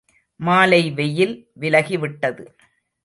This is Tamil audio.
மாலை வெயில் விலகிவிட்டது.